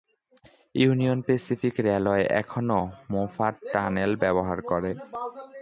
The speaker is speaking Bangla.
ইউনিয়ন প্যাসিফিক রেলওয়ে এখনও মোফাট টানেল ব্যবহার করে।